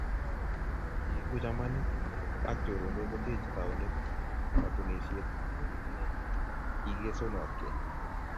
Keeku chamanik ak chorondok koteechei tauneet nebo katunisieet ne igesunotkei